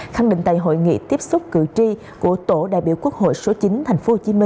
khẳng định tại hội nghị tiếp xúc cử tri của tổ đại biểu quốc hội số chín tp hcm